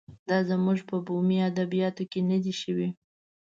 دا زموږ په بومي ادبیاتو کې نه دی شوی.